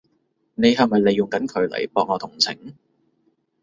你係咪利用緊佢嚟博我同情？